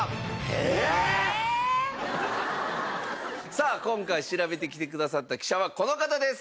さあ今回調べてきてくださった記者はこの方です！